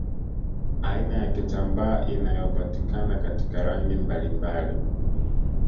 Aina ya kitambaa inayopatikana katika rangi mbalimbali